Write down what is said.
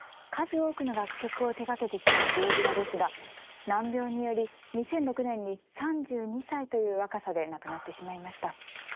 数多くの楽曲を手がけてきたＪ・ディラですが難病により２００６年に３２歳という若さで亡くなってしまいました。